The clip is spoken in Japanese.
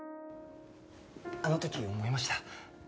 あの時思いました。